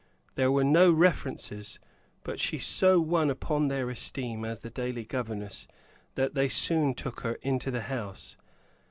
There were no references; but she so won upon their esteem as the daily governess, that they soon took her into the house.